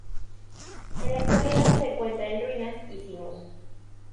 En la actualidad, se encuentra en ruinas y sin uso.